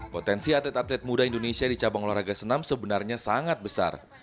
potensi atlet atlet muda indonesia di cabang olahraga senam sebenarnya sangat besar